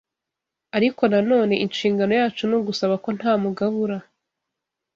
ariko na none inshingano yacu ni ugusaba ko nta mugabura